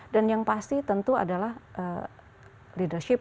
dan yang pasti tentu adalah leadership